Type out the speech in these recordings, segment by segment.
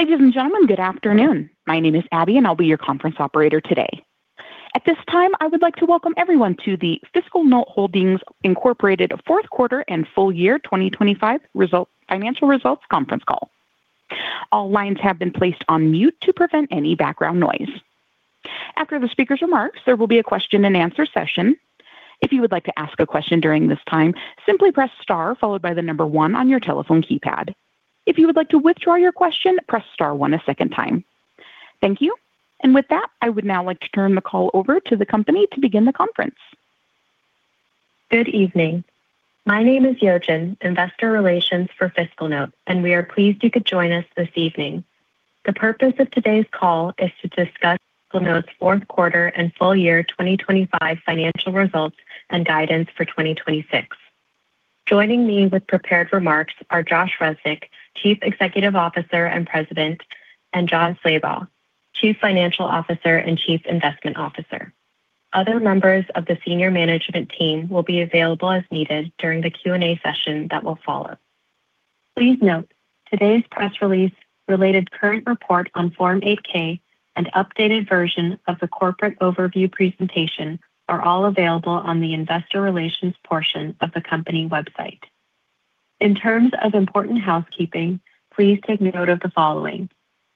Ladies and gentlemen, good afternoon. My name is Abby, and I'll be your conference operator today. At this time, I would like to welcome everyone to the FiscalNote Holdings, Inc fourth quarter and full year 2025 financial results conference call. All lines have been placed on mute to prevent any background noise. After the speaker's remarks, there will be a question and answer session. If you would like to ask a question during this time, simply press star followed by the number one on your telephone keypad. If you would like to withdraw your question, press star one a second time. Thank you. With that, I would now like to turn the call over to the company to begin the conference. Good evening. My name is Yojin, Investor Relations for FiscalNote, and we are pleased you could join us this evening. The purpose of today's call is to discuss FiscalNote's fourth quarter and full year 2025 financial results and guidance for 2026. Joining me with prepared remarks are Josh Resnik, Chief Executive Officer and President, and Jon Slabaugh, Chief Financial Officer and Chief Investment Officer. Other members of the senior management team will be available as needed during the Q&A session that will follow. Please note, today's press release and related current report on Form 8-K and updated version of the corporate overview presentation are all available on the investor relations portion of the company website. In terms of important housekeeping, please take note of the following.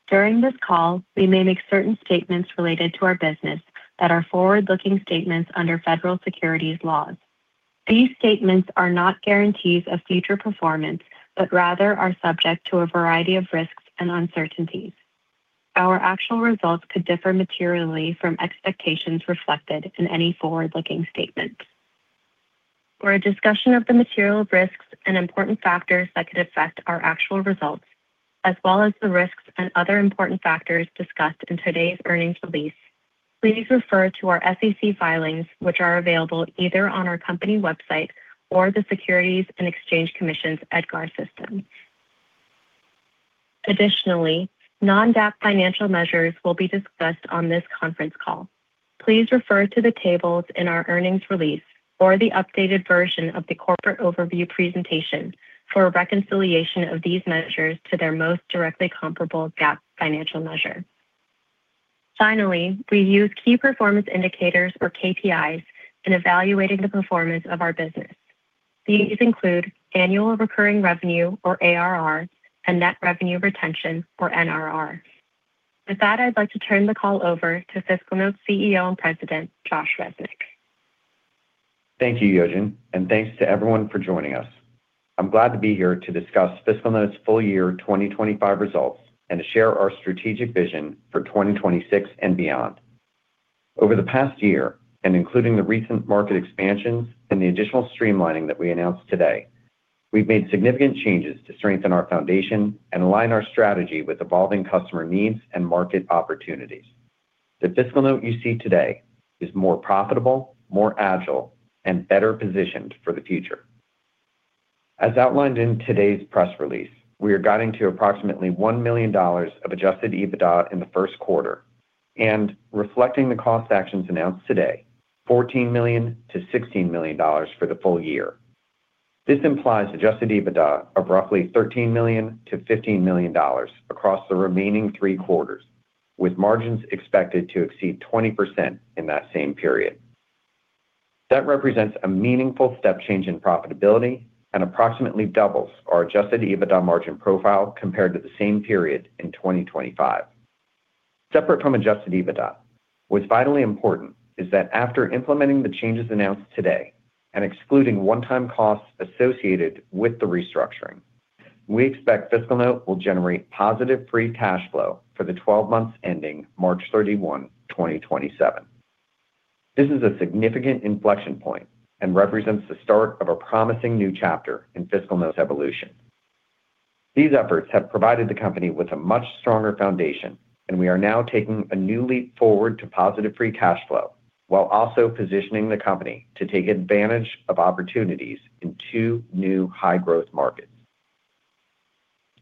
During this call, we may make certain statements related to our business that are forward-looking statements under federal securities laws. These statements are not guarantees of future performance, but rather are subject to a variety of risks and uncertainties. Our actual results could differ materially from expectations reflected in any forward-looking statements. For a discussion of the material risks and important factors that could affect our actual results, as well as the risks and other important factors discussed in today's earnings release, please refer to our SEC filings which are available either on our company website or the Securities and Exchange Commission's EDGAR system. Additionally, non-GAAP financial measures will be discussed on this conference call. Please refer to the tables in our earnings release or the updated version of the corporate overview presentation for a reconciliation of these measures to their most directly comparable GAAP financial measure. Finally, we use key performance indicators or KPIs in evaluating the performance of our business. These include Annual Recurring Revenue, or ARR, and Net Revenue Retention, or NRR. With that, I'd like to turn the call over to FiscalNote CEO and President, Josh Resnik. Thank you, Yojin, and thanks to everyone for joining us. I'm glad to be here to discuss FiscalNote's full year 2025 results and to share our strategic vision for 2026 and beyond. Over the past year, and including the recent market expansions and the additional streamlining that we announced today, we've made significant changes to strengthen our foundation and align our strategy with evolving customer needs and market opportunities. The FiscalNote you see today is more profitable, more agile, and better positioned for the future. As outlined in today's press release, we are guiding to approximately $1 million of adjusted EBITDA in the first quarter and reflecting the cost actions announced today, $14 million-$16 million for the full year. This implies adjusted EBITDA of roughly $13 million-$15 million across the remaining three quarters, with margins expected to exceed 20% in that same period. That represents a meaningful step change in profitability and approximately doubles our adjusted EBITDA margin profile compared to the same period in 2025. Separate from adjusted EBITDA, what's vitally important is that after implementing the changes announced today and excluding one-time costs associated with the restructuring, we expect FiscalNote will generate positive free cash flow for the 12 months ending March 31, 2027. This is a significant inflection point and represents the start of a promising new chapter in FiscalNote's evolution. These efforts have provided the company with a much stronger foundation, and we are now taking a new leap forward to positive free cash flow while also positioning the company to take advantage of opportunities in two new high-growth markets.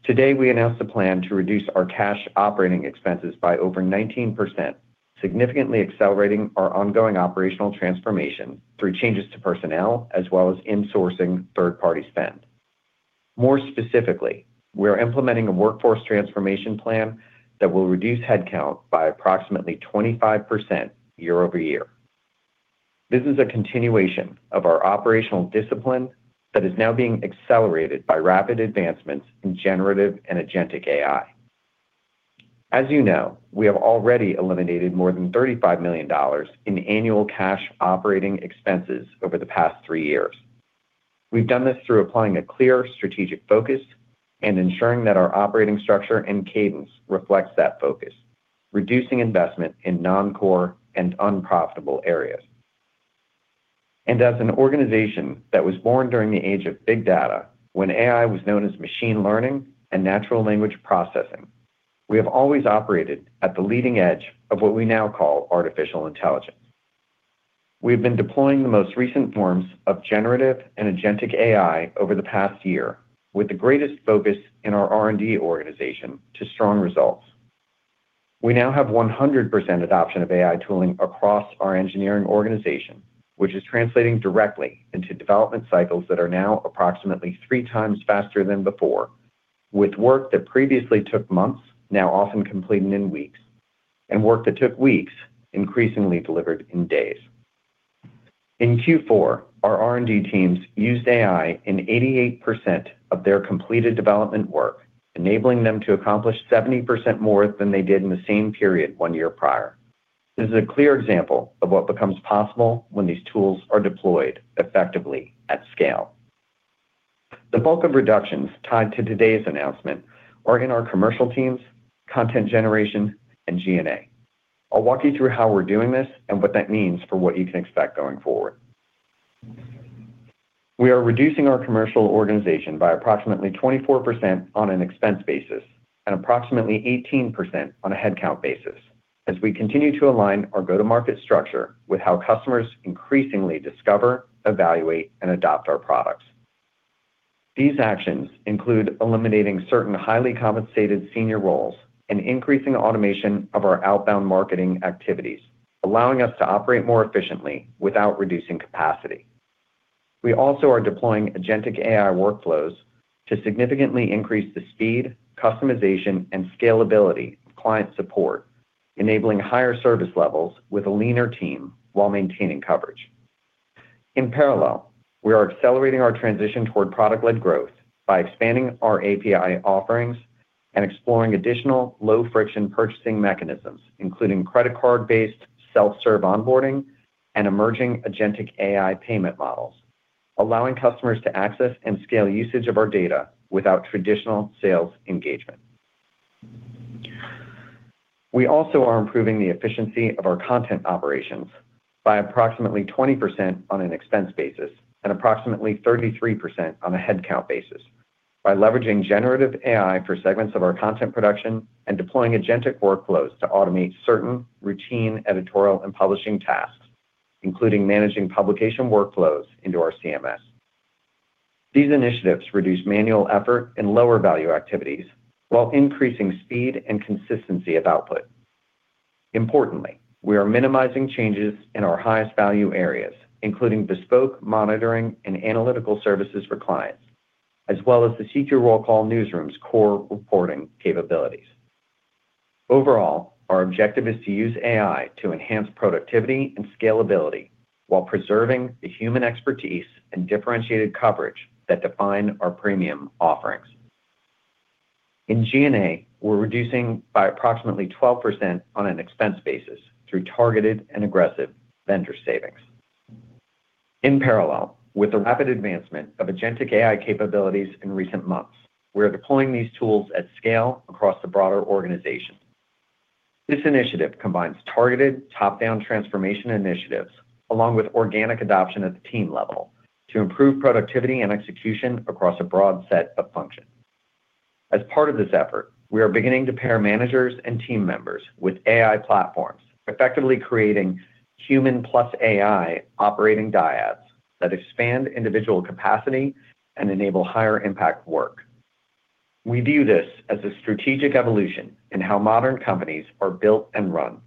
Today, we announced a plan to reduce our cash operating expenses by over 19%, significantly accelerating our ongoing operational transformation through changes to personnel as well as insourcing third-party spend. More specifically, we are implementing a workforce transformation plan that will reduce headcount by approximately 25% year-over-year. This is a continuation of our operational discipline that is now being accelerated by rapid advancements in generative and agentic AI. As you know, we have already eliminated more than $35 million in annual cash operating expenses over the past three years. We've done this through applying a clear strategic focus and ensuring that our operating structure and cadence reflects that focus, reducing investment in non-core and unprofitable areas. As an organization that was born during the age of big data when AI was known as machine learning and natural language processing, we have always operated at the leading edge of what we now call artificial intelligence. We've been deploying the most recent forms of generative and agentic AI over the past year with the greatest focus in our R&D organization to strong results. We now have 100% adoption of AI tooling across our engineering organization, which is translating directly into development cycles that are now approximately 3 times faster than before, with work that previously took months now often completed in weeks, and work that took weeks increasingly delivered in days. In Q4, our R&D teams used AI in 88% of their completed development work, enabling them to accomplish 70% more than they did in the same period one year prior. This is a clear example of what becomes possible when these tools are deployed effectively at scale. The bulk of reductions tied to today's announcement are in our commercial teams, content generation, and G&A. I'll walk you through how we're doing this and what that means for what you can expect going forward. We are reducing our commercial organization by approximately 24% on an expense basis and approximately 18% on a headcount basis as we continue to align our go-to-market structure with how customers increasingly discover, evaluate, and adopt our products. These actions include eliminating certain highly compensated senior roles and increasing automation of our outbound marketing activities, allowing us to operate more efficiently without reducing capacity. We also are deploying agentic AI workflows to significantly increase the speed, customization, and scalability of client support, enabling higher service levels with a leaner team while maintaining coverage. In parallel, we are accelerating our transition toward product-led growth by expanding our API offerings and exploring additional low-friction purchasing mechanisms, including credit card-based self-serve onboarding and emerging agentic AI payment models, allowing customers to access and scale usage of our data without traditional sales engagement. We also are improving the efficiency of our content operations by approximately 20% on an expense basis and approximately 33% on a headcount basis by leveraging generative AI for segments of our content production and deploying agentic workflows to automate certain routine editorial and publishing tasks, including managing publication workflows into our CMS. These initiatives reduce manual effort and lower value activities while increasing speed and consistency of output. Importantly, we are minimizing changes in our highest value areas, including bespoke monitoring and analytical services for clients, as well as the CQ Roll Call newsroom's core reporting capabilities. Overall, our objective is to use AI to enhance productivity and scalability while preserving the human expertise and differentiated coverage that define our premium offerings. In G&A, we're reducing by approximately 12% on an expense basis through targeted and aggressive vendor savings. In parallel, with the rapid advancement of agentic AI capabilities in recent months, we are deploying these tools at scale across the broader organization. This initiative combines targeted top-down transformation initiatives along with organic adoption at the team level to improve productivity and execution across a broad set of functions. As part of this effort, we are beginning to pair managers and team members with AI platforms, effectively creating human plus AI operating dyads that expand individual capacity and enable higher impact work. We view this as a strategic evolution in how modern companies are built and run,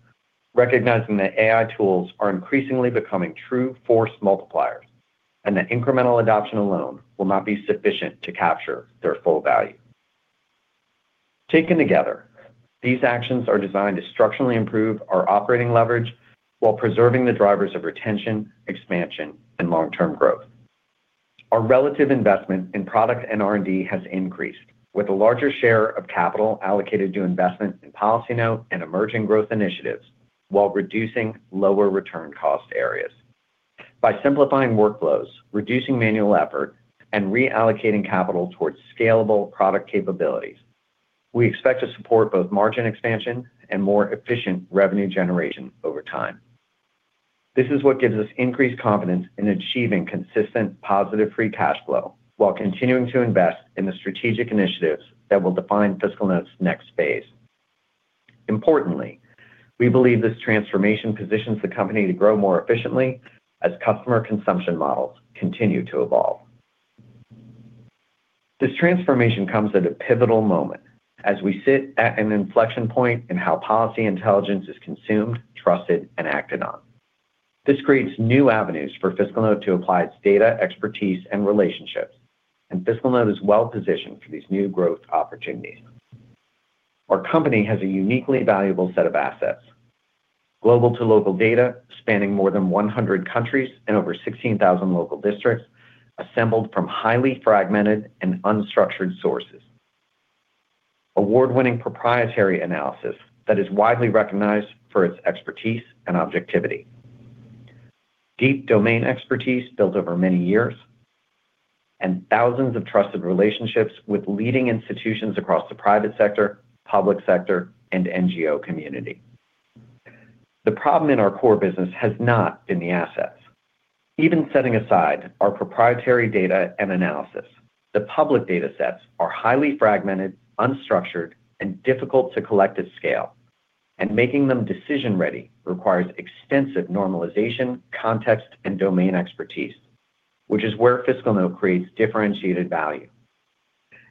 recognizing that AI tools are increasingly becoming true force multipliers and that incremental adoption alone will not be sufficient to capture their full value. Taken together, these actions are designed to structurally improve our operating leverage while preserving the drivers of retention, expansion, and long-term growth. Our relative investment in product and R&D has increased, with a larger share of capital allocated to investment in PolicyNote and emerging growth initiatives while reducing lower return cost areas. By simplifying workflows, reducing manual effort, and reallocating capital towards scalable product capabilities, we expect to support both margin expansion and more efficient revenue generation over time. This is what gives us increased confidence in achieving consistent positive free cash flow while continuing to invest in the strategic initiatives that will define FiscalNote's next phase. Importantly, we believe this transformation positions the company to grow more efficiently as customer consumption models continue to evolve. This transformation comes at a pivotal moment as we sit at an inflection point in how policy intelligence is consumed, trusted, and acted on. This creates new avenues for FiscalNote to apply its data, expertise, and relationships, and FiscalNote is well positioned for these new growth opportunities. Our company has a uniquely valuable set of assets, global to local data spanning more than 100 countries and over 16,000 local districts assembled from highly fragmented and unstructured sources, award-winning proprietary analysis that is widely recognized for its expertise and objectivity, deep domain expertise built over many years, and thousands of trusted relationships with leading institutions across the private sector, public sector, and NGO community. The problem in our core business has not been the assets. Even setting aside our proprietary data and analysis, the public data sets are highly fragmented, unstructured, and difficult to collect at scale, and making them decision-ready requires extensive normalization, context, and domain expertise, which is where FiscalNote creates differentiated value.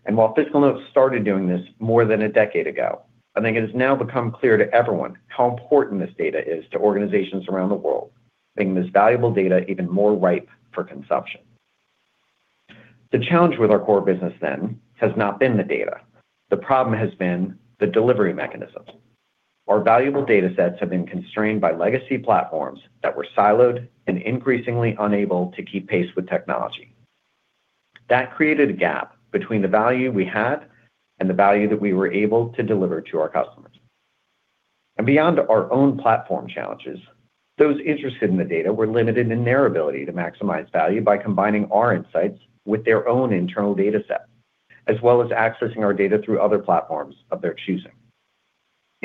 While FiscalNote started doing this more than a decade ago, I think it has now become clear to everyone how important this data is to organizations around the world, making this valuable data even more ripe for consumption. The challenge with our core business then has not been the data. The problem has been the delivery mechanisms. Our valuable data sets have been constrained by legacy platforms that were siloed and increasingly unable to keep pace with technology. That created a gap between the value we had and the value that we were able to deliver to our customers. Beyond our own platform challenges, those interested in the data were limited in their ability to maximize value by combining our insights with their own internal data sets, as well as accessing our data through other platforms of their choosing.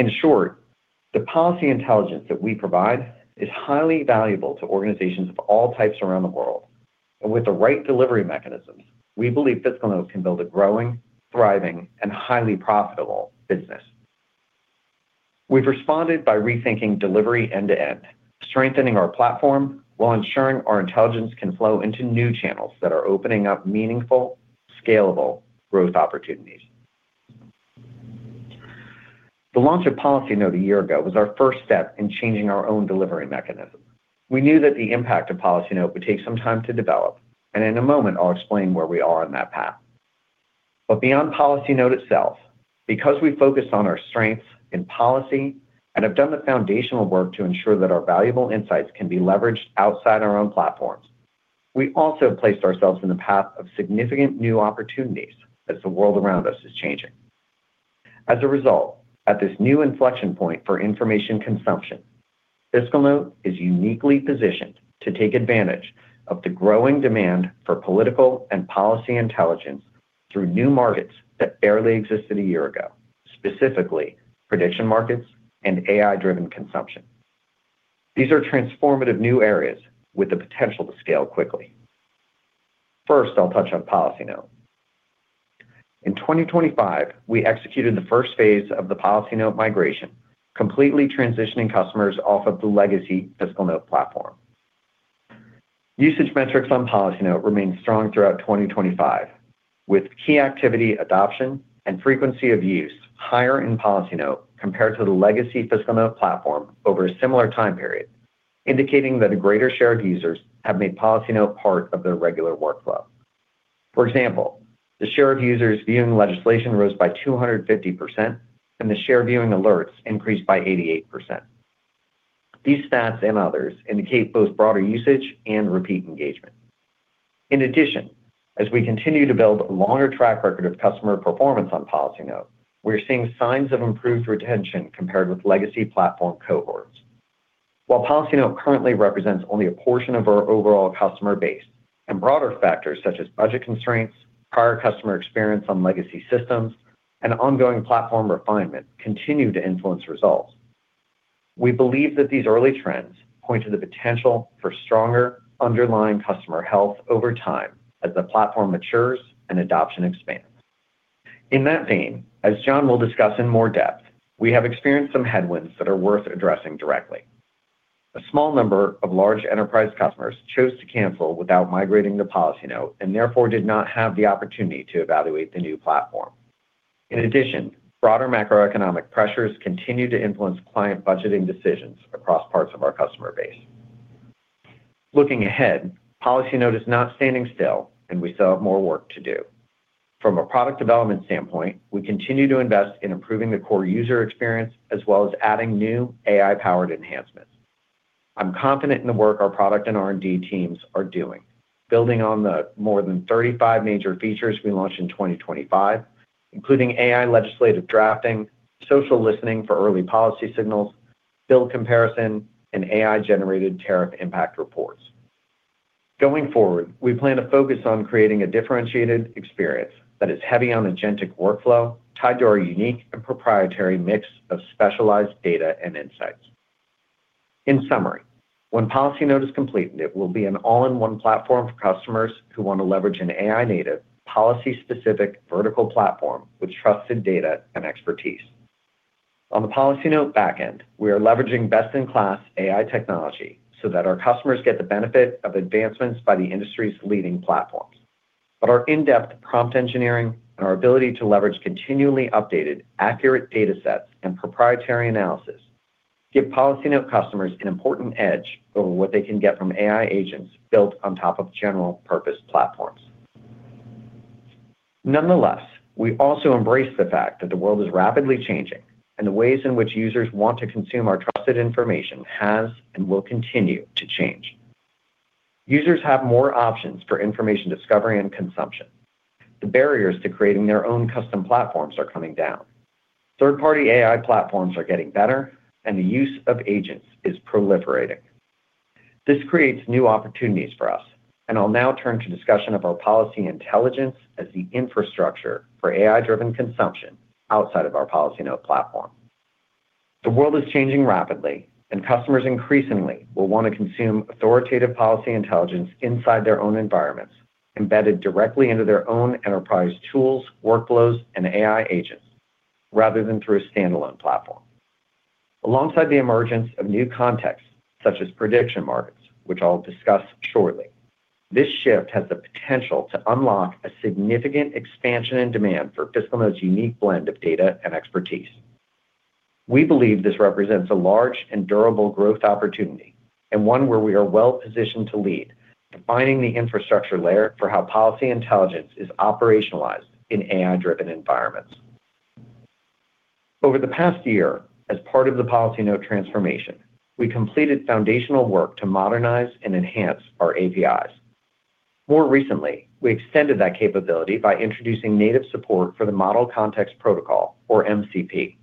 In short, the policy intelligence that we provide is highly valuable to organizations of all types around the world. With the right delivery mechanisms, we believe FiscalNote can build a growing, thriving, and highly profitable business. We've responded by rethinking delivery end-to-end, strengthening our platform while ensuring our intelligence can flow into new channels that are opening up meaningful, scalable growth opportunities. The launch of PolicyNote a year ago was our first step in changing our own delivery mechanism. We knew that the impact of PolicyNote would take some time to develop, and in a moment, I'll explain where we are on that path. beyond PolicyNote itself, because we focus on our strengths in policy and have done the foundational work to ensure that our valuable insights can be leveraged outside our own platforms, we also have placed ourselves in the path of significant new opportunities as the world around us is changing. As a result, at this new inflection point for information consumption, FiscalNote is uniquely positioned to take advantage of the growing demand for political and policy intelligence through new markets that barely existed a year ago, specifically prediction markets and AI-driven consumption. These are transformative new areas with the potential to scale quickly. First, I'll touch on PolicyNote. In 2025, we executed the first phase of the PolicyNote migration, completely transitioning customers off of the legacy FiscalNote platform. Usage metrics on PolicyNote remained strong throughout 2025, with key activity adoption and frequency of use higher in PolicyNote compared to the legacy FiscalNote platform over a similar time period, indicating that a greater share of users have made PolicyNote part of their regular workflow. For example, the share of users viewing legislation rose by 250%, and the share viewing alerts increased by 88%. These stats and others indicate both broader usage and repeat engagement. In addition, as we continue to build a longer track record of customer performance on PolicyNote, we're seeing signs of improved retention compared with legacy platform cohorts. While PolicyNote currently represents only a portion of our overall customer base and broader factors such as budget constraints, prior customer experience on legacy systems, and ongoing platform refinement continue to influence results, we believe that these early trends point to the potential for stronger underlying customer health over time as the platform matures and adoption expands. In that vein, as Jon will discuss in more depth, we have experienced some headwinds that are worth addressing directly. A small number of large enterprise customers chose to cancel without migrating to PolicyNote and therefore did not have the opportunity to evaluate the new platform. In addition, broader macroeconomic pressures continue to influence client budgeting decisions across parts of our customer base. Looking ahead, PolicyNote is not standing still, and we still have more work to do. From a product development standpoint, we continue to invest in improving the core user experience as well as adding new AI-powered enhancements. I'm confident in the work our product and R&D teams are doing, building on the more than 35 major features we launched in 2025, including AI legislative drafting, social listening for early policy signals, bill comparison, and AI-generated tariff impact reports. Going forward, we plan to focus on creating a differentiated experience that is heavy on agentic workflow tied to our unique and proprietary mix of specialized data and insights. In summary, when PolicyNote is complete, it will be an all-in-one platform for customers who want to leverage an AI-native, policy-specific vertical platform with trusted data and expertise. On the PolicyNote back end, we are leveraging best-in-class AI technology so that our customers get the benefit of advancements by the industry's leading platforms. Our in-depth prompt engineering and our ability to leverage continually updated, accurate data sets and proprietary analysis give PolicyNote customers an important edge over what they can get from AI agents built on top of general-purpose platforms. Nonetheless, we also embrace the fact that the world is rapidly changing and the ways in which users want to consume our trusted information has and will continue to change. Users have more options for information discovery and consumption. The barriers to creating their own custom platforms are coming down. Third-party AI platforms are getting better, and the use of agents is proliferating. This creates new opportunities for us, and I'll now turn to discussion of our policy intelligence as the infrastructure for AI-driven consumption outside of our PolicyNote platform. The world is changing rapidly, and customers increasingly will want to consume authoritative policy intelligence inside their own environments, embedded directly into their own enterprise tools, workflows, and AI agents, rather than through a standalone platform. Alongside the emergence of new contexts, such as prediction markets, which I'll discuss shortly. This shift has the potential to unlock a significant expansion in demand for FiscalNote's unique blend of data and expertise. We believe this represents a large and durable growth opportunity and one where we are well-positioned to lead, defining the infrastructure layer for how policy intelligence is operationalized in AI-driven environments. Over the past year, as part of the PolicyNote transformation, we completed foundational work to modernize and enhance our APIs. More recently, we extended that capability by introducing native support for the Model Context Protocol or MCP.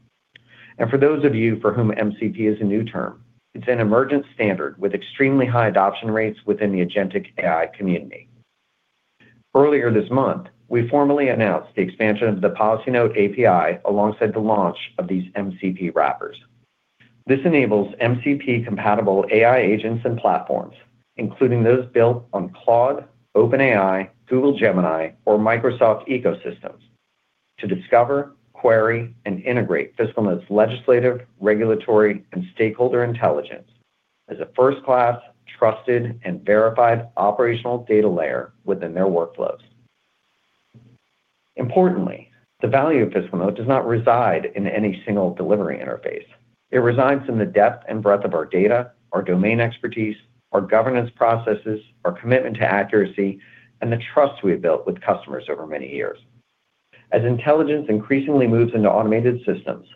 For those of you for whom MCP is a new term, it's an emergent standard with extremely high adoption rates within the agentic AI community. Earlier this month, we formally announced the expansion of the PolicyNote API alongside the launch of these MCP wrappers. This enables MCP-compatible AI agents and platforms, including those built on Claude, OpenAI, Google Gemini, or Microsoft ecosystems to discover, query, and integrate FiscalNote's legislative, regulatory, and stakeholder intelligence as a first-class, trusted, and verified operational data layer within their workflows. Importantly, the value of FiscalNote does not reside in any single delivery interface. It resides in the depth and breadth of our data, our domain expertise, our governance processes, our commitment to accuracy, and the trust we've built with customers over many years. As intelligence increasingly moves into automated systems,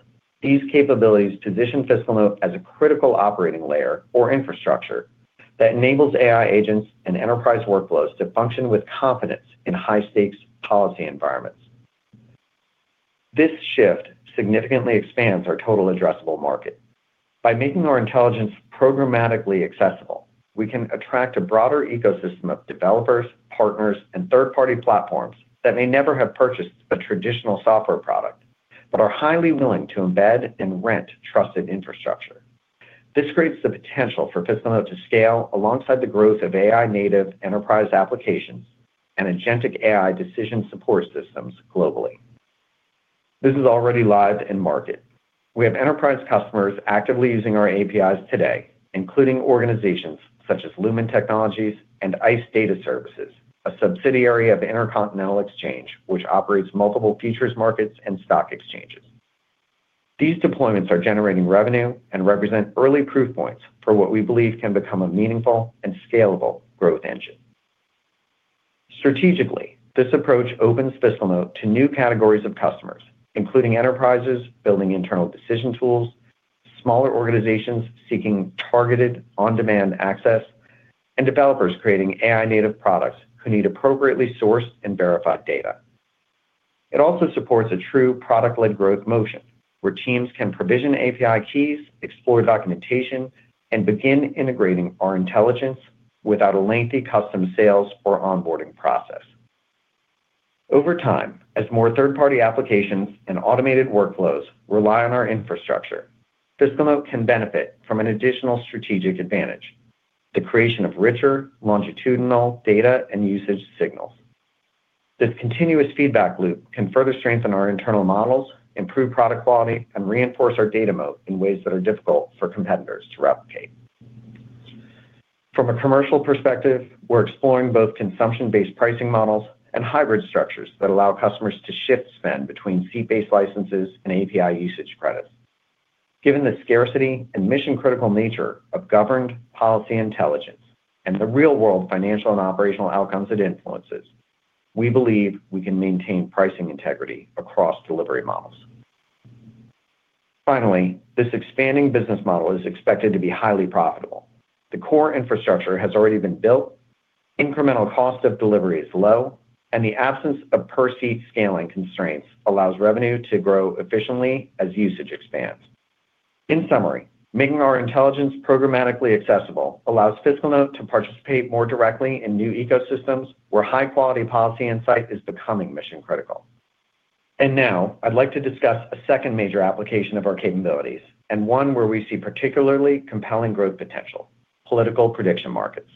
these capabilities position FiscalNote as a critical operating layer or infrastructure that enables AI agents and enterprise workflows to function with confidence in high-stakes policy environments. This shift significantly expands our total addressable market. By making our intelligence programmatically accessible, we can attract a broader ecosystem of developers, partners, and third-party platforms that may never have purchased a traditional software product, but are highly willing to embed and rent trusted infrastructure. This creates the potential for FiscalNote to scale alongside the growth of AI-native enterprise applications and agentic AI decision support systems globally. This is already live in market. We have enterprise customers actively using our APIs today, including organizations such as Lumen Technologies and ICE Data Services, a subsidiary of Intercontinental Exchange, which operates multiple futures markets and stock exchanges. These deployments are generating revenue and represent early proof points for what we believe can become a meaningful and scalable growth engine. Strategically, this approach opens FiscalNote to new categories of customers, including enterprises building internal decision tools, smaller organizations seeking targeted on-demand access, and developers creating AI-native products who need appropriately sourced and verified data. It also supports a true product-led growth model, where teams can provision API keys, explore documentation, and begin integrating our intelligence without a lengthy custom sales or onboarding process. Over time, as more third-party applications and automated workflows rely on our infrastructure, FiscalNote can benefit from an additional strategic advantage: the creation of richer longitudinal data and usage signals. This continuous feedback loop can further strengthen our internal models, improve product quality, and reinforce our data moat in ways that are difficult for competitors to replicate. From a commercial perspective, we're exploring both consumption-based pricing models and hybrid structures that allow customers to shift spend between seat-based licenses and API usage credits. Given the scarcity and mission-critical nature of governed policy intelligence and the real-world financial and operational outcomes it influences, we believe we can maintain pricing integrity across delivery models. Finally, this expanding business model is expected to be highly profitable. The core infrastructure has already been built, incremental cost of delivery is low, and the absence of per-seat scaling constraints allows revenue to grow efficiently as usage expands. In summary, making our intelligence programmatically accessible allows FiscalNote to participate more directly in new ecosystems where high-quality policy insight is becoming mission-critical. Now I'd like to discuss a second major application of our capabilities and one where we see particularly compelling growth potential political prediction markets.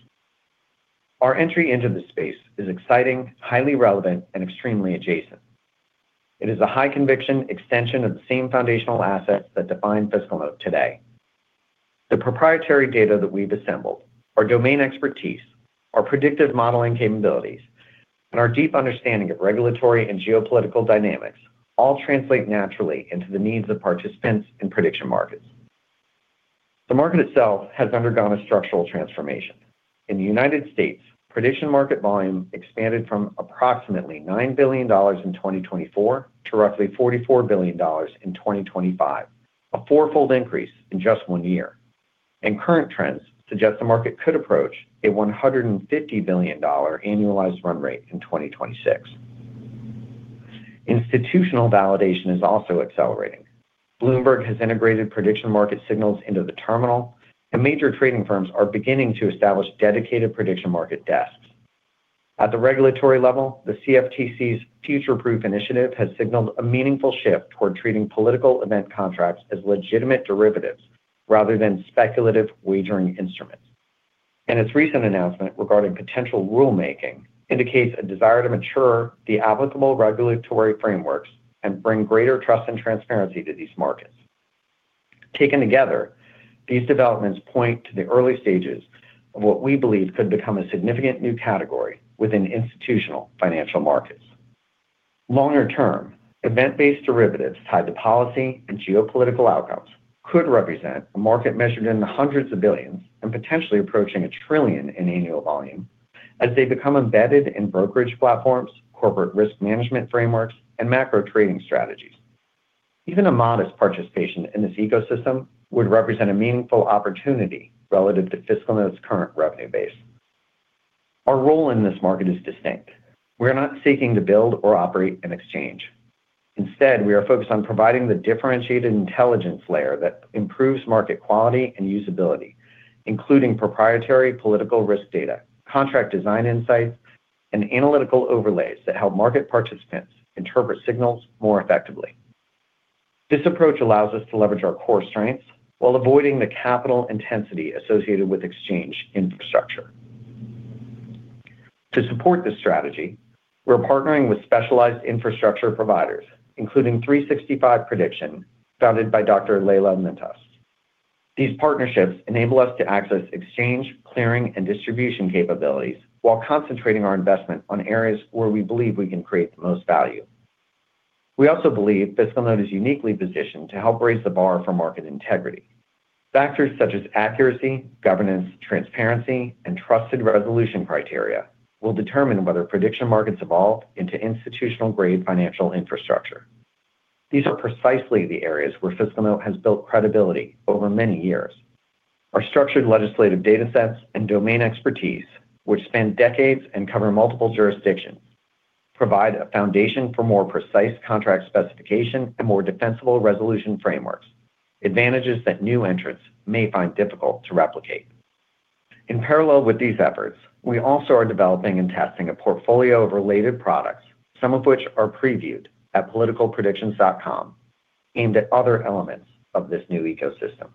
Our entry into this space is exciting, highly relevant, and extremely adjacent. It is a high-conviction extension of the same foundational assets that define FiscalNote today. The proprietary data that we've assembled, our domain expertise, our predictive modeling capabilities, and our deep understanding of regulatory and geopolitical dynamics all translate naturally into the needs of participants in prediction markets. The market itself has undergone a structural transformation. In the United States, prediction market volume expanded from approximately $9 billion in 2024 to roughly $44 billion in 2025. A four-fold increase in just one year. Current trends suggest the market could approach a $150 billion annualized run rate in 2026. Institutional validation is also accelerating. Bloomberg has integrated prediction market signals into the terminal, and major trading firms are beginning to establish dedicated prediction market desks. At the regulatory level, the CFTC's Future-Proof initiative has signaled a meaningful shift toward treating political event contracts as legitimate derivatives rather than speculative wagering instruments. Its recent announcement regarding potential rulemaking indicates a desire to mature the applicable regulatory frameworks and bring greater trust and transparency to these markets. Taken together, these developments point to the early stages of what we believe could become a significant new category within institutional financial markets. Longer term, event-based derivatives tied to policy and geopolitical outcomes could represent a market measured in the hundreds of billions and potentially approaching a trillion in annual volume as they become embedded in brokerage platforms, corporate risk management frameworks, and macro trading strategies. Even a modest participation in this ecosystem would represent a meaningful opportunity relative to FiscalNote's current revenue base. Our role in this market is distinct. We're not seeking to build or operate an exchange. Instead, we are focused on providing the differentiated intelligence layer that improves market quality and usability, including proprietary political risk data, contract design insights, and analytical overlays that help market participants interpret signals more effectively. This approach allows us to leverage our core strengths while avoiding the capital intensity associated with exchange infrastructure. To support this strategy, we're partnering with specialized infrastructure providers, including 365Prediction, founded by Dr. Laila Mintas. These partnerships enable us to access exchange, clearing, and distribution capabilities while concentrating our investment on areas where we believe we can create the most value. We also believe FiscalNote is uniquely positioned to help raise the bar for market integrity. Factors such as accuracy, governance, transparency, and trusted resolution criteria will determine whether prediction markets evolve into institutional-grade financial infrastructure. These are precisely the areas where FiscalNote has built credibility over many years. Our structured legislative datasets and domain expertise, which span decades and cover multiple jurisdictions, provide a foundation for more precise contract specification and more defensible resolution frameworks, advantages that new entrants may find difficult to replicate. In parallel with these efforts, we also are developing and testing a portfolio of related products, some of which are previewed at PoliticalPredictions.com, aimed at other elements of this new ecosystem.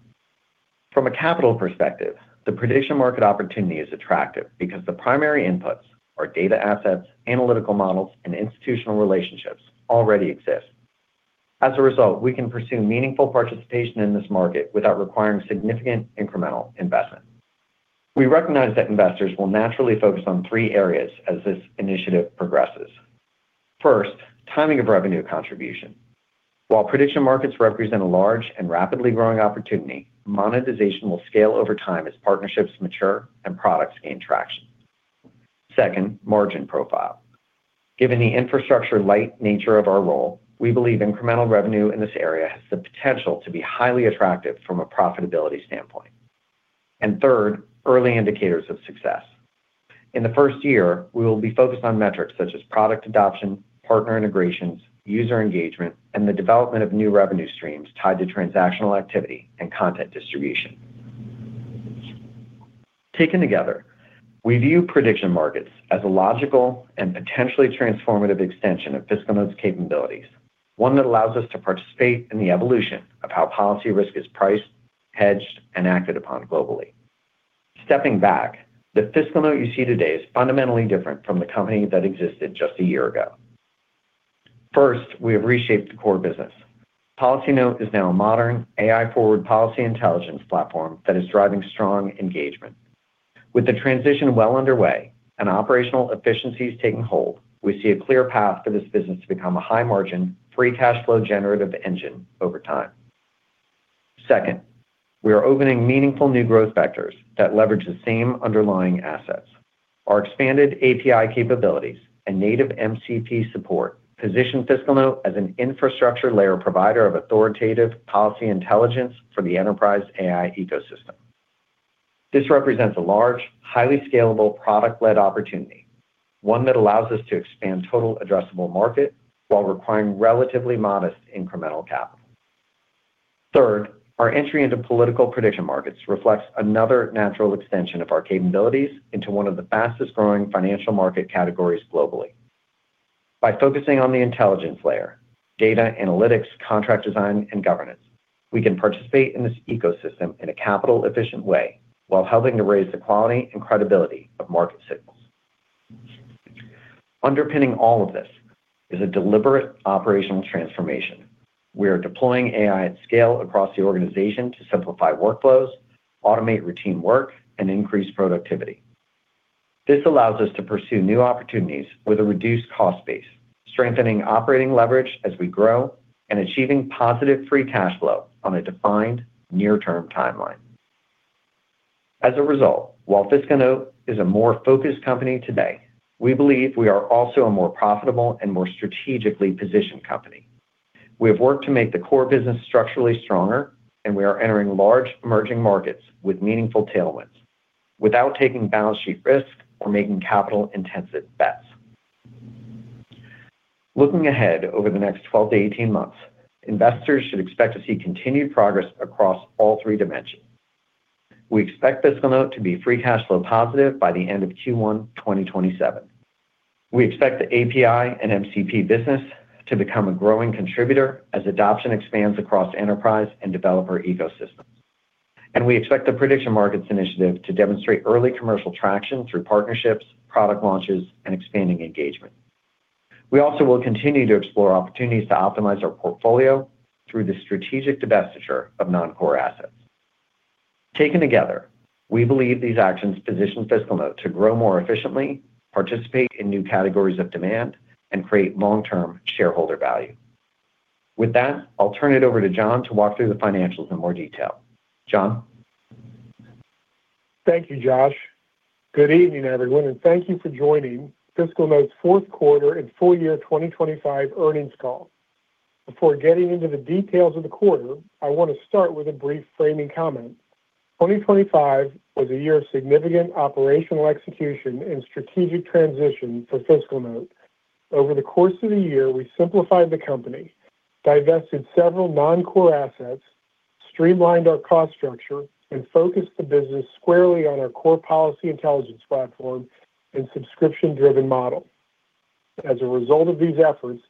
From a capital perspective, the prediction market opportunity is attractive because the primary inputs, our data assets, analytical models, and institutional relationships, already exist. As a result, we can pursue meaningful participation in this market without requiring significant incremental investment. We recognize that investors will naturally focus on three areas as this initiative progresses. First, timing of revenue contribution. While prediction markets represent a large and rapidly growing opportunity, monetization will scale over time as partnerships mature and products gain traction. Second, margin profile. Given the infrastructure-light nature of our role, we believe incremental revenue in this area has the potential to be highly attractive from a profitability standpoint. Third, early indicators of success. In the first year, we will be focused on metrics such as product adoption, partner integrations, user engagement, and the development of new revenue streams tied to transactional activity and content distribution. Taken together, we view prediction markets as a logical and potentially transformative extension of FiscalNote's capabilities, one that allows us to participate in the evolution of how policy risk is priced, hedged, and acted upon globally. Stepping back, the FiscalNote you see today is fundamentally different from the company that existed just a year ago. First, we have reshaped the core business. PolicyNote is now a modern, AI-forward policy intelligence platform that is driving strong engagement. With the transition well underway and operational efficiencies taking hold, we see a clear path for this business to become a high-margin, free cash flow generative engine over time. Second, we are opening meaningful new growth vectors that leverage the same underlying assets. Our expanded API capabilities and native MCP support position FiscalNote as an infrastructure layer provider of authoritative policy intelligence for the enterprise AI ecosystem. This represents a large, highly scalable product-led opportunity, one that allows us to expand total addressable market while requiring relatively modest incremental capital. Third, our entry into political prediction markets reflects another natural extension of our capabilities into one of the fastest-growing financial market categories globally. By focusing on the intelligence layer, data, analytics, contract design, and governance, we can participate in this ecosystem in a capital-efficient way while helping to raise the quality and credibility of market signals. Underpinning all of this is a deliberate operational transformation. We are deploying AI at scale across the organization to simplify workflows, automate routine work, and increase productivity. This allows us to pursue new opportunities with a reduced cost base, strengthening operating leverage as we grow and achieving positive free cash flow on a defined near-term timeline. As a result, while FiscalNote is a more focused company today, we believe we are also a more profitable and more strategically positioned company. We have worked to make the core business structurally stronger, and we are entering large emerging markets with meaningful tailwinds without taking balance sheet risk or making capital-intensive bets. Looking ahead over the next 12-18 months, investors should expect to see continued progress across all three dimensions. We expect FiscalNote to be free cash flow positive by the end of Q1 2027. We expect the API and MCP business to become a growing contributor as adoption expands across enterprise and developer ecosystems. We expect the prediction markets initiative to demonstrate early commercial traction through partnerships, product launches and expanding engagement. We also will continue to explore opportunities to optimize our portfolio through the strategic divestiture of non-core assets. Taken together, we believe these actions position FiscalNote to grow more efficiently, participate in new categories of demand, and create long-term shareholder value. With that, I'll turn it over to Jon to walk through the financials in more detail. Jon? Thank you, Josh. Good evening, everyone, and thank you for joining FiscalNote's fourth quarter and full year 2025 earnings call. Before getting into the details of the quarter, I want to start with a brief framing comment. 2025 was a year of significant operational execution and strategic transition for FiscalNote. Over the course of the year, we simplified the company, divested several non-core assets, streamlined our cost structure, and focused the business squarely on our core policy intelligence platform and subscription-driven model. As a result of these efforts,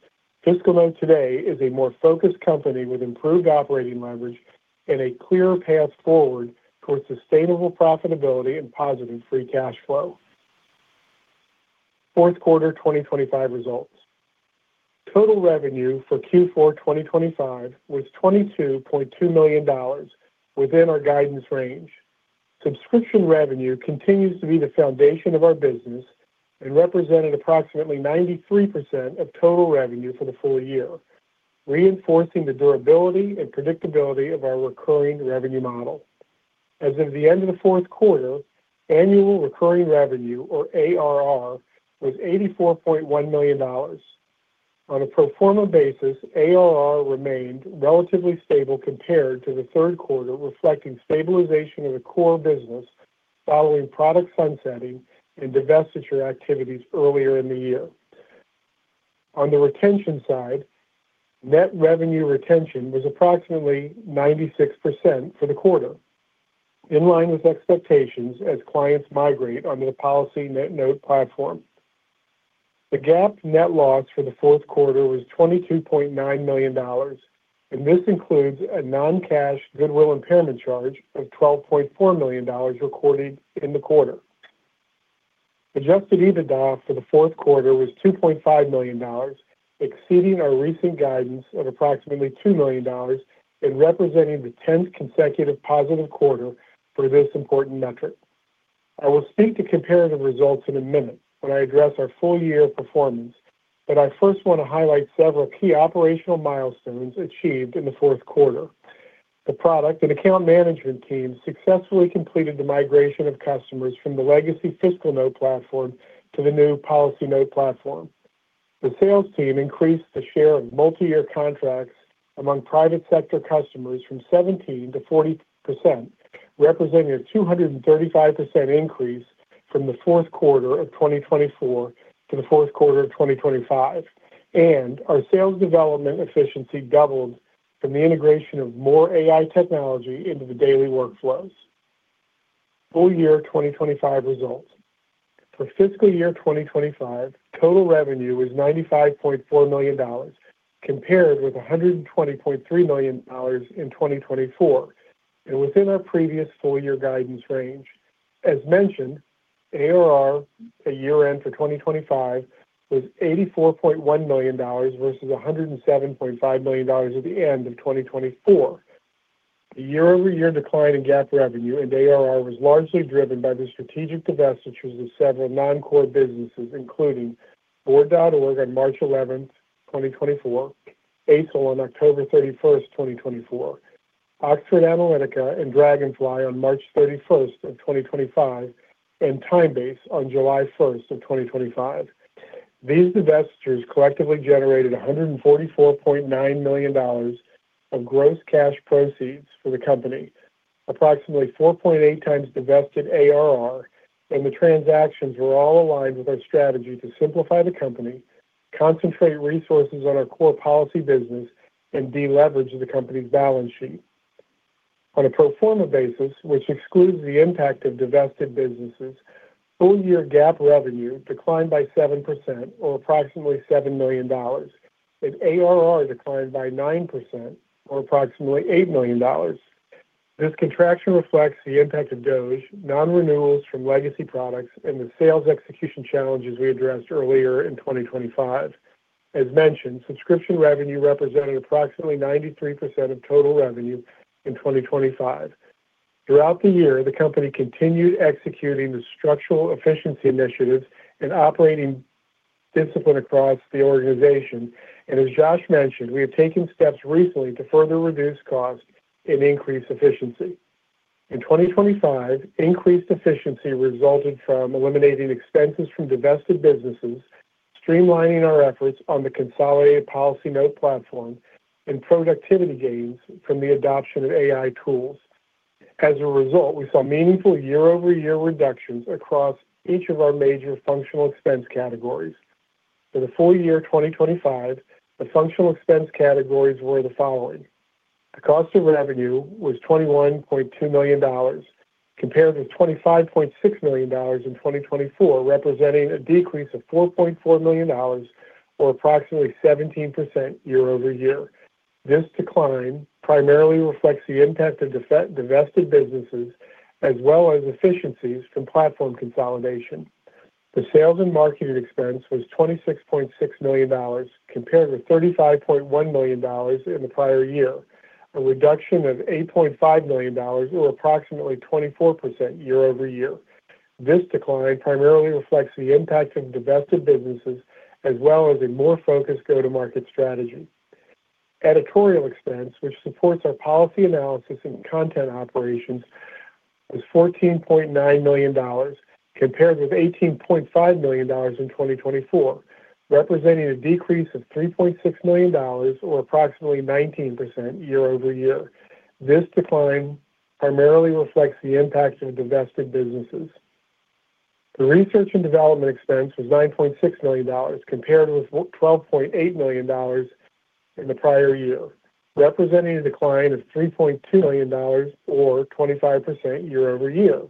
FiscalNote today is a more focused company with improved operating leverage and a clearer path forward towards sustainable profitability and positive free cash flow. Fourth quarter 2025 results. Total revenue for Q4 2025 was $22.2 million within our guidance range. Subscription revenue continues to be the foundation of our business and represented approximately 93% of total revenue for the full year, reinforcing the durability and predictability of our recurring revenue model. As of the end of the fourth quarter, Annual Recurring Revenue or ARR was $84.1 million. On a pro forma basis, ARR remained relatively stable compared to the third quarter, reflecting stabilization of the core business following product sunsetting and divestiture activities earlier in the year. On the retention side, Net Revenue Retention was approximately 96% for the quarter, in line with expectations as clients migrate onto the PolicyNote platform. The GAAP net loss for the fourth quarter was $22.9 million, and this includes a non-cash goodwill impairment charge of $12.4 million recorded in the quarter. Adjusted EBITDA for the fourth quarter was $2.5 million, exceeding our recent guidance of approximately $2 million and representing the 10th consecutive positive quarter for this important metric. I will speak to comparative results in a minute when I address our full-year performance, but I first want to highlight several key operational milestones achieved in the fourth quarter. The product and account management team successfully completed the migration of customers from the legacy FiscalNote platform to the new PolicyNote platform. The sales team increased the share of multi-year contracts among private sector customers from 17%-40%, representing a 235% increase from the fourth quarter of 2024 to the fourth quarter of 2025. Our sales development efficiency doubled from the integration of more AI technology into the daily workflows. Full year 2025 results. For fiscal year 2025, total revenue was $95.4 million, compared with $120.3 million in 2024 and within our previous full-year guidance range. As mentioned, ARR at year-end for 2025 was $84.1 million versus $107.5 million at the end of 2024. The year-over-year decline in GAAP revenue and ARR was largely driven by the strategic divestitures of several non-core businesses, including Board.org on March 11, 2024, Aicel on October 31, 2024, Oxford Analytica and Dragonfly on March 31, 2025, and TimeBase on July 1, 2025. These divestitures collectively generated $144.9 million of gross cash proceeds for the company, approximately 4.8x divested ARR, and the transactions were all aligned with our strategy to simplify the company, concentrate resources on our core policy business, and de-leverage the company's balance sheet. On a pro forma basis, which excludes the impact of divested businesses, full-year GAAP revenue declined by 7% or approximately $7 million, and ARR declined by 9% or approximately $8 million. This contraction reflects the impact of DOGE, non-renewals from legacy products, and the sales execution challenges we addressed earlier in 2025. As mentioned, subscription revenue represented approximately 93% of total revenue in 2025. Throughout the year, the company continued executing the structural efficiency initiatives and operating discipline across the organization. As Josh mentioned, we have taken steps recently to further reduce costs and increase efficiency. In 2025, increased efficiency resulted from eliminating expenses from divested businesses, streamlining our efforts on the consolidated PolicyNote platform, and productivity gains from the adoption of AI tools. As a result, we saw meaningful year-over-year reductions across each of our major functional expense categories. For the full year 2025, the functional expense categories were the following. The cost of revenue was $21.2 million compared with $25.6 million in 2024, representing a decrease of $4.4 million or approximately 17% year-over-year. This decline primarily reflects the impact of divested businesses as well as efficiencies from platform consolidation. The sales and marketing expense was $26.6 million compared with $35.1 million in the prior year, a reduction of $8.5 million or approximately 24% year-over-year. This decline primarily reflects the impact of divested businesses as well as a more focused go-to-market strategy. Editorial expense, which supports our policy analysis and content operations, was $14.9 million compared with $18.5 million in 2024, representing a decrease of $3.6 million or approximately 19% year-over-year. This decline primarily reflects the impact of divested businesses. The research and development expense was $9.6 million compared with $12.8 million in the prior year, representing a decline of $3.2 million or 25% year-over-year.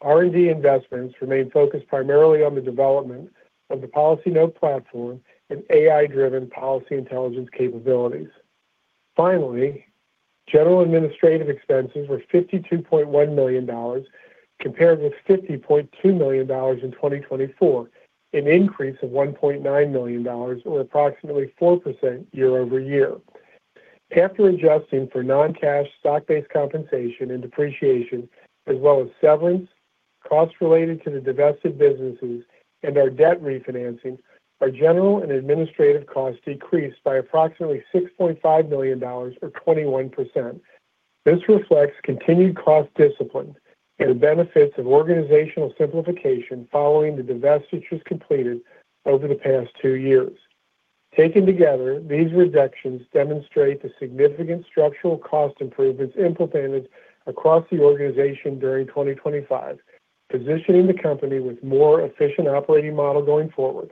R&D investments remain focused primarily on the development of the PolicyNote platform and AI-driven policy intelligence capabilities. Finally, general and administrative expenses were $52.1 million compared with $50.2 million in 2024, an increase of $1.9 million or approximately 4% year-over-year. After adjusting for non-cash stock-based compensation and depreciation as well as severance, costs related to the divested businesses and our debt refinancing, our general and administrative costs decreased by approximately $6.5 million or 21%. This reflects continued cost discipline and the benefits of organizational simplification following the divestitures completed over the past two years. Taken together, these reductions demonstrate the significant structural cost improvements implemented across the organization during 2025, positioning the company with more efficient operating model going forward.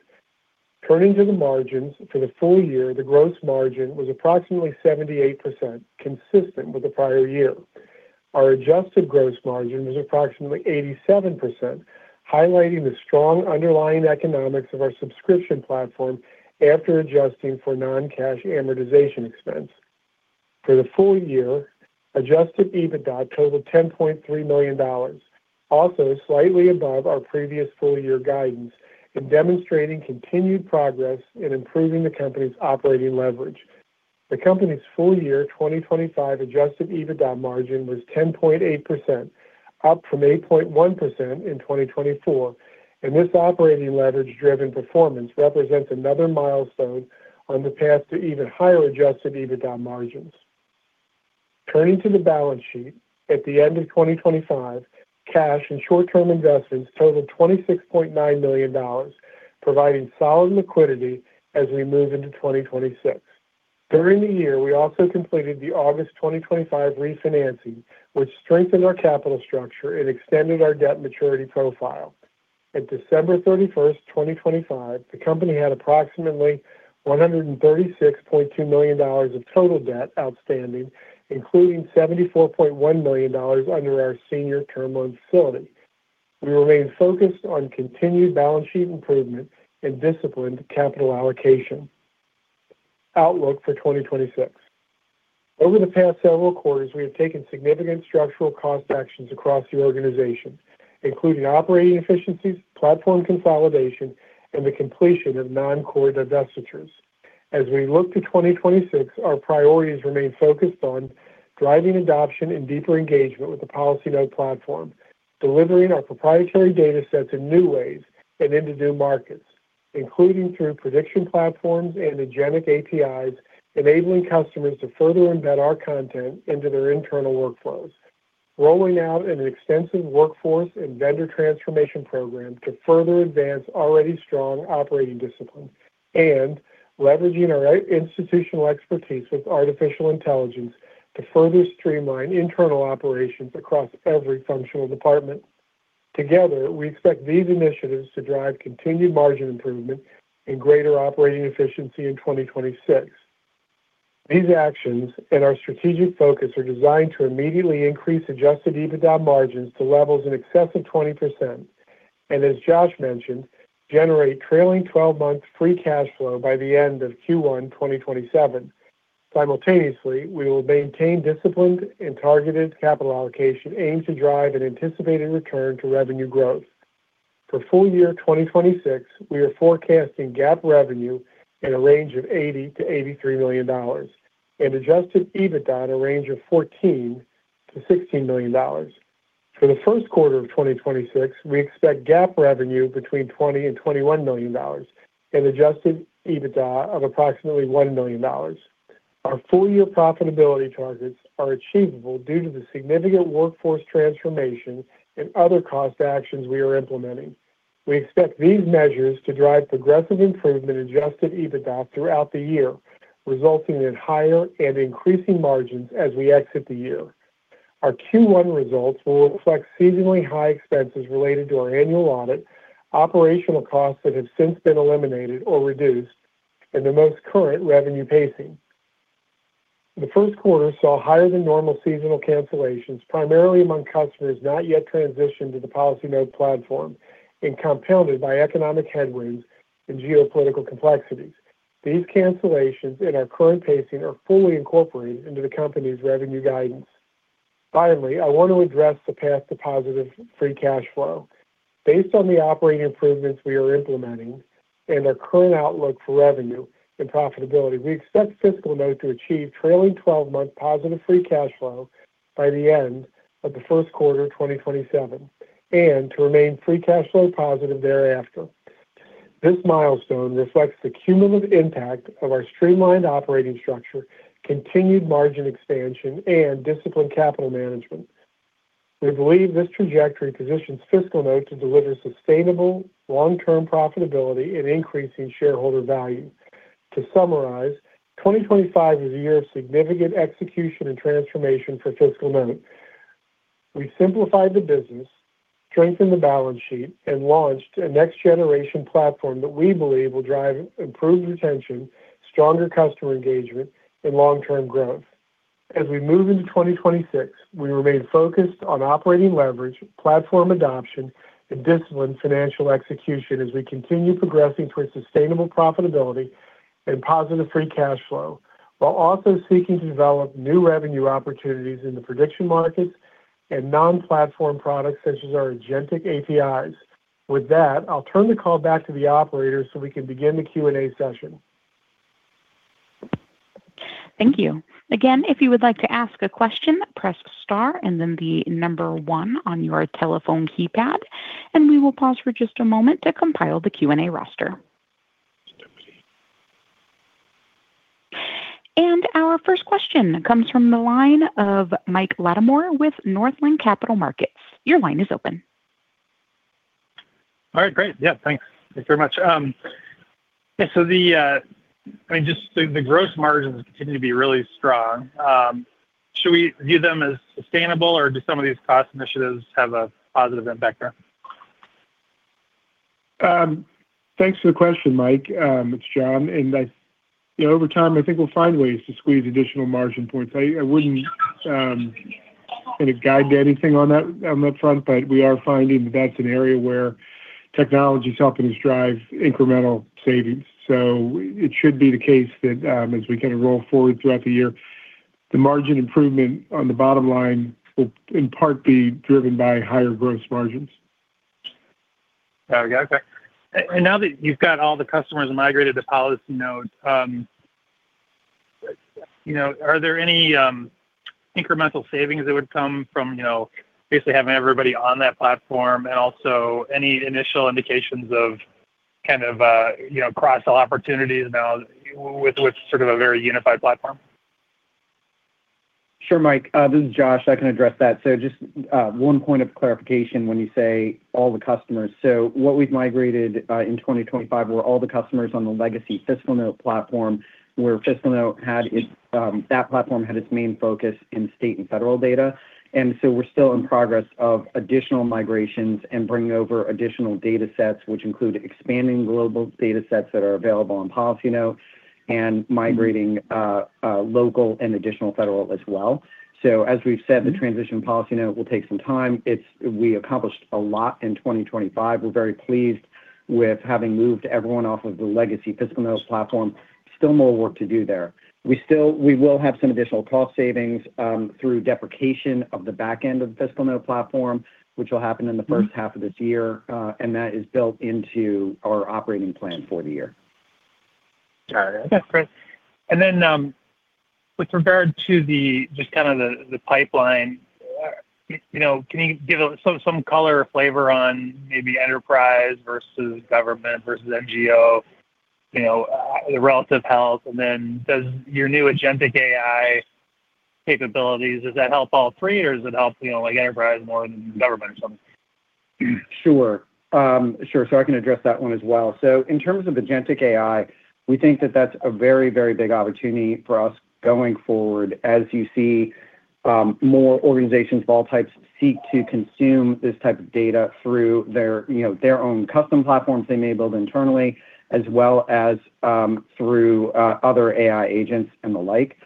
Turning to the margins for the full year, the gross margin was approximately 78%, consistent with the prior year. Our adjusted gross margin was approximately 87%, highlighting the strong underlying economics of our subscription platform after adjusting for non-cash amortization expense. For the full year, adjusted EBITDA totaled $10.3 million, also slightly above our previous full year guidance in demonstrating continued progress in improving the company's operating leverage. The company's full year 2025 adjusted EBITDA margin was 10.8%, up from 8.1% in 2024, and this operating leverage-driven performance represents another milestone on the path to even higher adjusted EBITDA margins. Turning to the balance sheet, at the end of 2025, cash and short-term investments totaled $26.9 million, providing solid liquidity as we move into 2026. During the year, we also completed the August 2025 refinancing, which strengthened our capital structure and extended our debt maturity profile. At December 31, 2025, the company had approximately $136.2 million of total debt outstanding, including $74.1 million under our senior term loan facility. We remain focused on continued balance sheet improvement and disciplined capital allocation. Outlook for 2026. Over the past several quarters, we have taken significant structural cost actions across the organization, including operating efficiencies, platform consolidation, and the completion of non-core divestitures. As we look to 2026, our priorities remain focused on driving adoption and deeper engagement with the PolicyNote platform, delivering our proprietary datasets in new ways and into new markets, including through prediction platforms and agentic APIs, enabling customers to further embed our content into their internal workflows. Rolling out an extensive workforce and vendor transformation program to further advance already strong operating discipline and leveraging our institutional expertise with artificial intelligence to further streamline internal operations across every functional department. Together, we expect these initiatives to drive continued margin improvement and greater operating efficiency in 2026. These actions and our strategic focus are designed to immediately increase adjusted EBITDA margins to levels in excess of 20% and, as Josh mentioned, generate trailing 12-month free cash flow by the end of Q1 2027. Simultaneously, we will maintain disciplined and targeted capital allocation aimed to drive an anticipated return to revenue growth. For full year 2026, we are forecasting GAAP revenue in a range of $80 million-$83 million and adjusted EBITDA in a range of $14 million-$16 million. For the first quarter of 2026, we expect GAAP revenue between $20 million and $21 million and adjusted EBITDA of approximately $1 million. Our full-year profitability targets are achievable due to the significant workforce transformation and other cost actions we are implementing. We expect these measures to drive progressive improvement in adjusted EBITDA throughout the year, resulting in higher and increasing margins as we exit the year. Our Q1 results will reflect seasonally high expenses related to our annual audit, operational costs that have since been eliminated or reduced, and the most current revenue pacing. The first quarter saw higher than normal seasonal cancellations, primarily among customers not yet transitioned to the PolicyNote platform and compounded by economic headwinds and geopolitical complexities. These cancellations in our current pacing are fully incorporated into the company's revenue guidance. Finally, I want to address the path to positive free cash flow. Based on the operating improvements we are implementing and our current outlook for revenue and profitability, we expect FiscalNote to achieve trailing 12-month positive free cash flow by the end of the first quarter 2027 and to remain free cash flow positive thereafter. This milestone reflects the cumulative impact of our streamlined operating structure, continued margin expansion and disciplined capital management. We believe this trajectory positions FiscalNote to deliver sustainable long-term profitability and increasing shareholder value. To summarize, 2025 is a year of significant execution and transformation for FiscalNote. We've simplified the business, strengthened the balance sheet and launched a next generation platform that we believe will drive improved retention, stronger customer engagement and long-term growth. As we move into 2026, we remain focused on operating leverage, platform adoption and disciplined financial execution as we continue progressing towards sustainable profitability and positive free cash flow, while also seeking to develop new revenue opportunities in the prediction markets and non-platform products such as our agentic APIs. With that, I'll turn the call back to the operator so we can begin the Q&A session. Thank you. Again, if you would like to ask a question, press star and then the number one on your telephone keypad, and we will pause for just a moment to compile the Q&A roster. Our first question comes from the line of Michael Latimore with Northland Capital Markets. Your line is open. All right, great. Yeah, thanks. Thanks very much. Yeah, so just the gross margins continue to be really strong. Should we view them as sustainable, or do some of these cost initiatives have a positive impact there? Thanks for the question, Mike. It's Jon. You know, over time, I think we'll find ways to squeeze additional margin points. I wouldn't kind of guide to anything on that front. We are finding that that's an area where technology is helping us drive incremental savings. It should be the case that as we kind of roll forward throughout the year, the margin improvement on the bottom line will in part be driven by higher gross margins. There we go. Okay. Now that you've got all the customers migrated to PolicyNote, you know, are there any incremental savings that would come from, you know, basically having everybody on that platform? Also any initial indications of kind of, you know, cross-sell opportunities now with sort of a very unified platform? Sure, Mike. This is Josh. I can address that. Just one point of clarification when you say all the customers. What we've migrated in 2025 were all the customers on the legacy FiscalNote platform, where FiscalNote had its, that platform had its main focus in state and federal data. We're still in progress of additional migrations and bringing over additional datasets, which include expanding global datasets that are available on PolicyNote and migrating local and additional federal as well. As we've said, the transition to PolicyNote will take some time. We accomplished a lot in 2025. We're very pleased with having moved everyone off of the legacy FiscalNote platform. Still more work to do there. We will have some additional cost savings through deprecation of the back end of the FiscalNote platform, which will happen in the first half of this year. That is built into our operating plan for the year. Got it. That's great. Then, with regard to the pipeline, you know, can you give some color or flavor on maybe enterprise versus government versus NGO? You know, the relative health. Then does your new agentic AI capabilities help all three or does it help, you know, like enterprise more than government or something? Sure, I can address that one as well. In terms of agentic AI, we think that that's a very, very big opportunity for us going forward as you see more organizations of all types seek to consume this type of data through their, you know, their own custom platforms they may build internally, as well as through other AI agents and the like.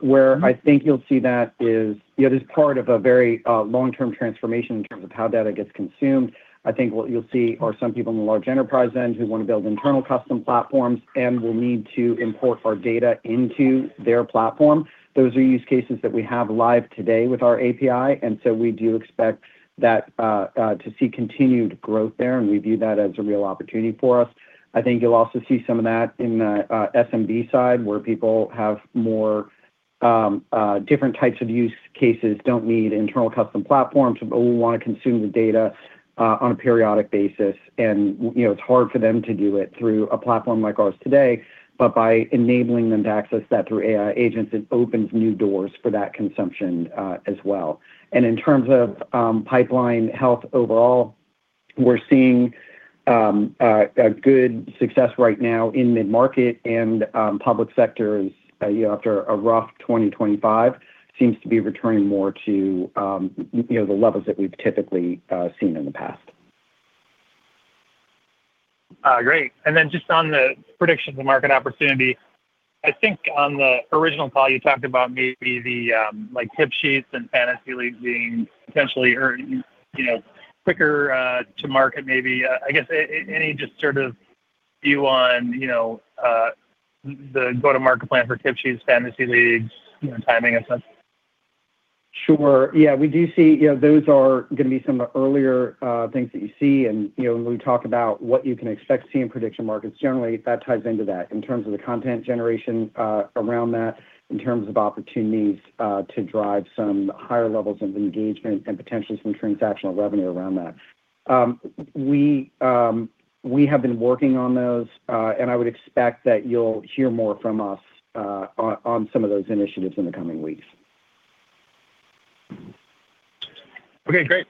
Where I think you'll see that is. You know, it is part of a very long-term transformation in terms of how data gets consumed. I think what you'll see are some people in the large enterprise end who want to build internal custom platforms and will need to import our data into their platform. Those are use cases that we have live today with our API. We do expect that to see continued growth there, and we view that as a real opportunity for us. I think you'll also see some of that in the SMB side, where people have more different types of use cases, don't need internal custom platforms, but will want to consume the data on a periodic basis. You know, it's hard for them to do it through a platform like ours today. But by enabling them to access that through AI agents, it opens new doors for that consumption as well. In terms of pipeline health overall. We're seeing a good success right now in mid-market and public sector, you know, after a rough 2025, seems to be returning more to you know, the levels that we've typically seen in the past. Great. Just on the predictions of market opportunity, I think on the original call, you talked about maybe the, like, tip sheets and fantasy leagues being potentially earlier, you know, quicker to market maybe. I guess any just sort of view on, you know, the go-to-market plan for tip sheets, fantasy leagues, you know, timing and such. Sure. Yeah, we do see, you know, those are gonna be some earlier things that you see. You know, when we talk about what you can expect to see in prediction markets, generally, that ties into that in terms of the content generation around that, in terms of opportunities to drive some higher levels of engagement and potentially some transactional revenue around that. We have been working on those, and I would expect that you'll hear more from us on some of those initiatives in the coming weeks. Okay, great.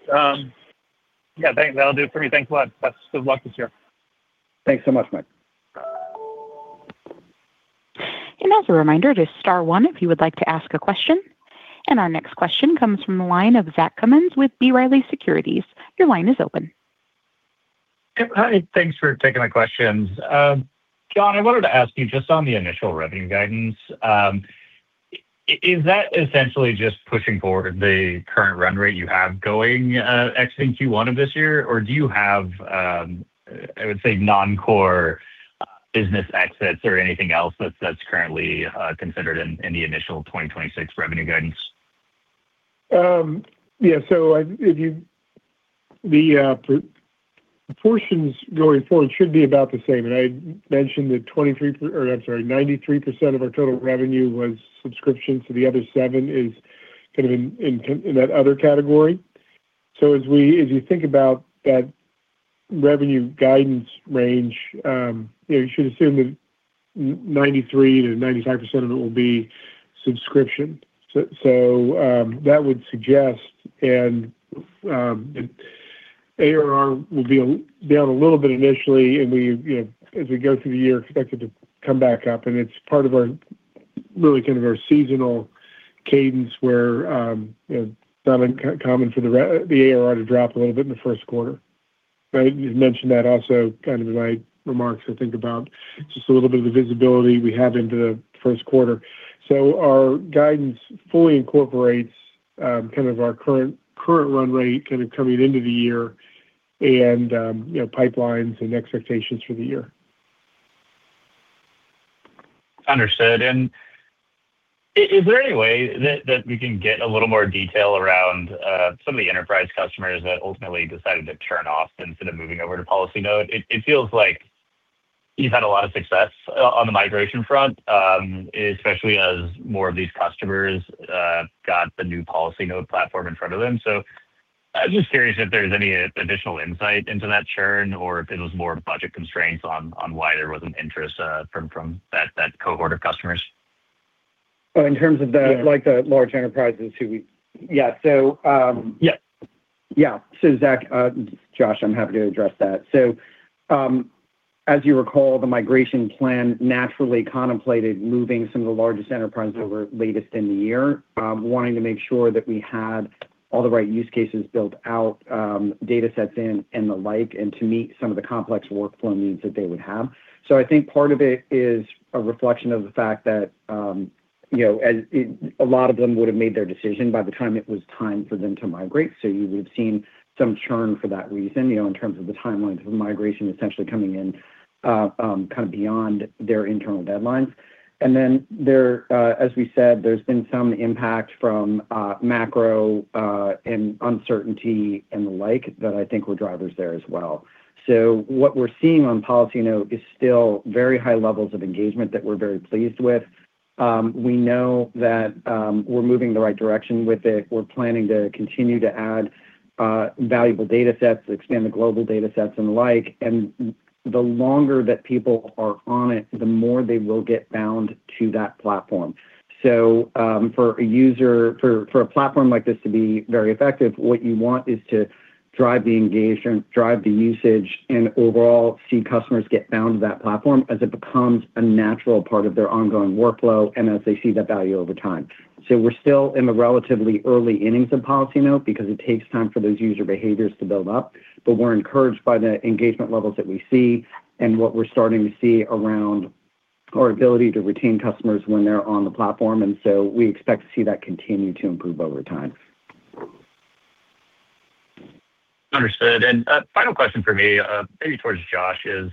Yeah, thanks. That'll do it for me. Thanks a lot. Best of luck this year. Thanks so much, Mike. As a reminder, it is star one if you would like to ask a question. Our next question comes from the line of Zach Cummins with B. Riley Securities. Your line is open. Hi. Thanks for taking my questions. Jon, I wanted to ask you just on the initial revenue guidance, is that essentially just pushing forward the current run rate you have going, exiting Q1 of this year? Or do you have, I would say non-core business exits or anything else that's currently considered in the initial 2026 revenue guidance? The proportions going forward should be about the same. I mentioned that 93% of our total revenue was subscription, so the other seven is kind of in that other category. As you think about that revenue guidance range, you should assume that 93%-95% of it will be subscription. That would suggest, and ARR will be down a little bit initially, and we, as we go through the year, expect it to come back up. It's part of our really kind of our seasonal cadence where, it's not uncommon for the ARR to drop a little bit in the first quarter. Right? You've mentioned that also kind of in my remarks, I think about just a little bit of the visibility we have into the first quarter. Our guidance fully incorporates, kind of our current run rate kind of coming into the year and, you know, pipelines and expectations for the year. Understood. Is there any way that we can get a little more detail around some of the enterprise customers that ultimately decided to turn off instead of moving over to PolicyNote? It feels like you've had a lot of success on the migration front, especially as more of these customers got the new PolicyNote platform in front of them. I was just curious if there's any additional insight into that churn or if it was more budget constraints on why there wasn't interest from that cohort of customers. Oh, in terms of the. Yeah. Like, the large enterprises. Yeah. Yeah. Yeah. Zach, Josh, I'm happy to address that. As you recall, the migration plan naturally contemplated moving some of the largest enterprises over latest in the year, wanting to make sure that we had all the right use cases built out, datasets in and the like, and to meet some of the complex workflow needs that they would have. I think part of it is a reflection of the fact that, you know, as a lot of them would have made their decision by the time it was time for them to migrate, so you would've seen some churn for that reason, you know, in terms of the timelines of migration essentially coming in, kind of beyond their internal deadlines. Then there, as we said, there's been some impact from, macro, and uncertainty and the like that I think were drivers there as well. What we're seeing on PolicyNote is still very high levels of engagement that we're very pleased with. We know that, we're moving the right direction with it. We're planning to continue to add, valuable datasets, expand the global datasets and the like. The longer that people are on it, the more they will get bound to that platform. For a platform like this to be very effective, what you want is to drive the engagement, drive the usage, and overall see customers get bound to that platform as it becomes a natural part of their ongoing workflow and as they see the value over time. We're still in the relatively early innings of PolicyNote because it takes time for those user behaviors to build up. We're encouraged by the engagement levels that we see and what we're starting to see around our ability to retain customers when they're on the platform. We expect to see that continue to improve over time. Understood. A final question from me, maybe towards Josh, is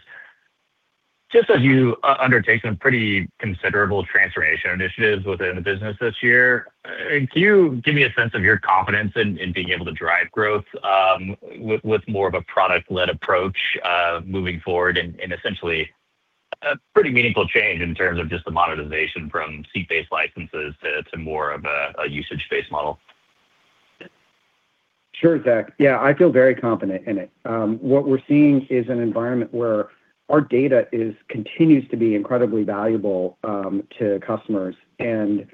just as you undertake some pretty considerable transformation initiatives within the business this year, can you give me a sense of your confidence in being able to drive growth, with more of a product-led approach, moving forward and essentially a pretty meaningful change in terms of just the monetization from seat-based licenses to more of a usage-based model? Sure, Zach. Yeah, I feel very confident in it. What we're seeing is an environment where our data continues to be incredibly valuable to customers and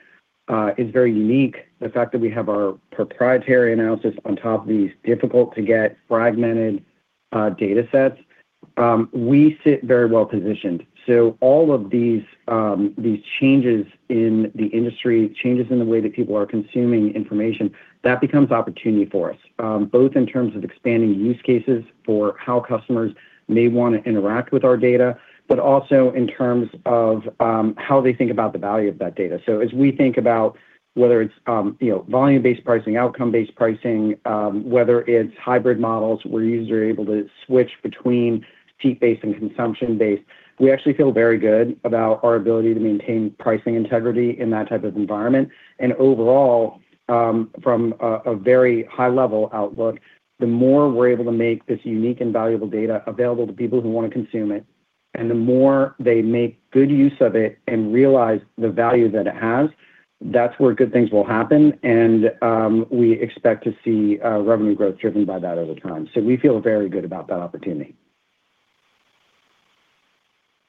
is very unique. The fact that we have our proprietary analysis on top of these difficult-to-get fragmented datasets, we sit very well positioned. All of these changes in the industry, changes in the way that people are consuming information, that becomes opportunity for us, both in terms of expanding use cases for how customers may wanna interact with our data, but also in terms of how they think about the value of that data. As we think about whether it's, you know, volume-based pricing, outcome-based pricing, whether it's hybrid models where users are able to switch between seat-based and consumption-based, we actually feel very good about our ability to maintain pricing integrity in that type of environment. Overall, from a very high-level outlook, the more we're able to make this unique and valuable data available to people who wanna consume it, and the more they make good use of it and realize the value that it has, that's where good things will happen. We expect to see revenue growth driven by that over time. We feel very good about that opportunity.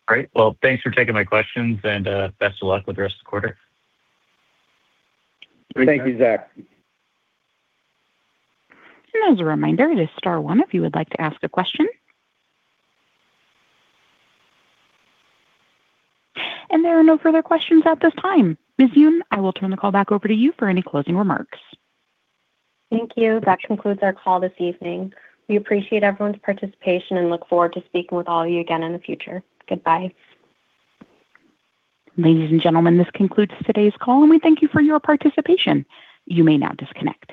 Great. Well, thanks for taking my questions, and best of luck with the rest of the quarter. Thank you, Zach. As a reminder, it is star one if you would like to ask a question. There are no further questions at this time. Ms. Yoon, I will turn the call back over to you for any closing remarks. Thank you. That concludes our call this evening. We appreciate everyone's participation and look forward to speaking with all of you again in the future. Goodbye. Ladies and gentlemen, this concludes today's call, and we thank you for your participation. You may now disconnect.